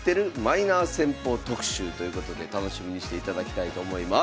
マイナー戦法特集」ということで楽しみにしていただきたいと思います。